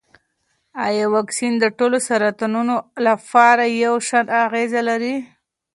ایا واکسین د ټولو سرطانونو لپاره یو شان اغېز لري؟